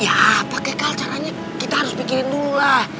ya pak ekal caranya kita harus pikirin dulu lah